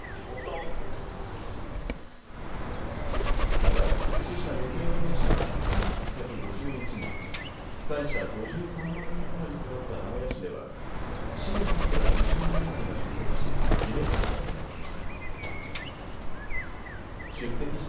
また、死者・行方不明者が１８５１人、被災者５３万人余りとなった名古屋市では市の幹部ら２０人余りが出席し慰霊祭が行われました。